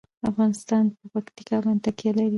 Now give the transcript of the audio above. افغانستان په پکتیکا باندې تکیه لري.